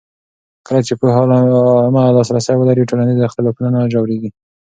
کله چې پوهنه عامه لاسرسی ولري، ټولنیز اختلافونه نه ژورېږي.